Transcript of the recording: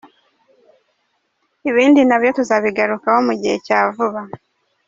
Ibindi na byo tuzabigarukaho mu gihe cya vuba.